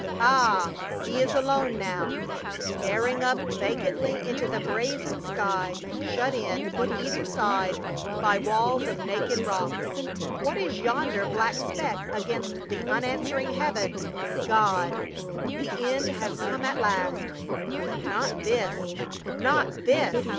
Ah, he is alone now, staring up vacantly into the brazen sky, shut in on either side by walls of naked rock. What is yonder black speck against the unan swering heaven ? God ! the end has come at last : but not this — not this